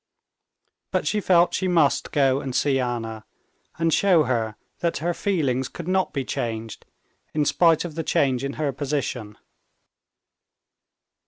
But she felt she must go and see Anna, and show her that her feelings could not be changed, in spite of the change in her position.